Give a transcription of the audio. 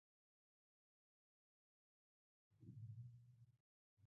د هرات په انجیل کې د څه شي نښې دي؟